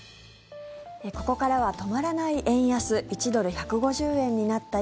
ここからは止まらない円安１ドル＝１５０円になった